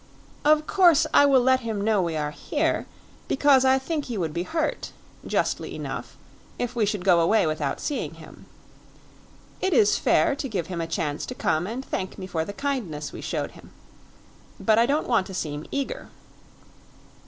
"Of course I will let him know we are here, because I think he would be hurt justly enough if we should go away without seeing him. It is fair to give him a chance to come and thank me for the kindness we showed him. But I don't want to seem eager."